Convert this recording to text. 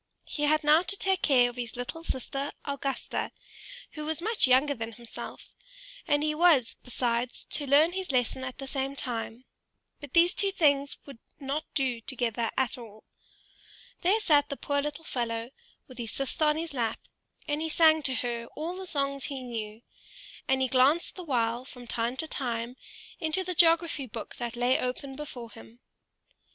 He had now to take care of his little sister Augusta, who was much younger than himself, and he was, besides, to learn his lesson at the same time; but these two things would not do together at all. There sat the poor little fellow, with his sister on his lap, and he sang to her all the songs he knew; and he glanced the while from time to time into the geography book that lay open before him.